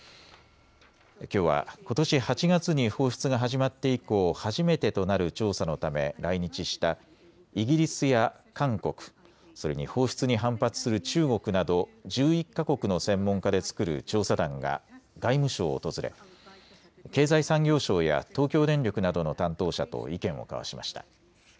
きょうは、ことし８月に放出が始まって以降、初めてとなる調査のため来日したイギリスや韓国、それに放出に反発する中国など１１か国の専門家で作る調査団が外務省を訪れ経済産業省や東京電力などの担当者と意見を交わしました。